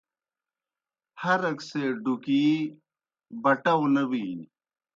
ہرک سے ڈُکِی بٹاؤ نہ بِینیْ